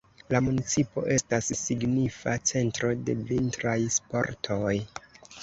La municipo estas signifa centro de vintraj sportoj.